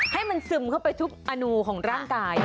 ให้มันซึมเข้าไปทุกอนูของร่างกาย